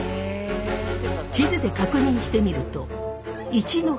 地図で確認してみると。